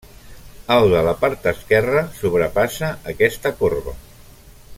El de la part esquerra sobrepassa aquesta corba.